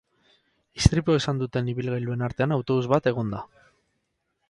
Istripua izan duten ibilgailuen artean autobus bat egon da.